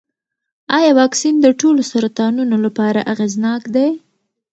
ایا واکسین د ټولو سرطانونو لپاره اغېزناک دی؟